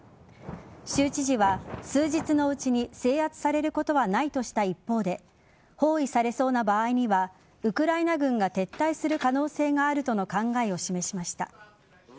州知事は数日のうちに制圧されることはないとした一方で包囲されそうな場合にはウクライナ軍が撤退する可能性があるとの考えを示しました。